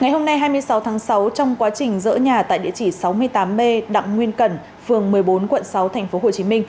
ngày hôm nay hai mươi sáu tháng sáu trong quá trình dỡ nhà tại địa chỉ sáu mươi tám b đặng nguyên cẩn phường một mươi bốn quận sáu tp hcm